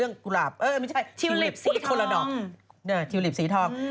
ฮือทิวลิปศรีทอง